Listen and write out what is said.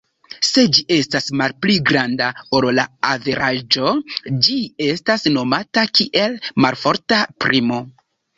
Se ĝi estas malpli granda ol la averaĝo ĝi estas nomata kiel malforta primo.